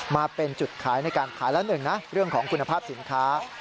มาเป็นจุดขายในการขายละหนึ่งนะเรื่องของคุณภาพสินค้า